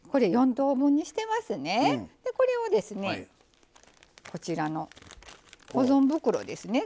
これをですねこちらの保存袋ですね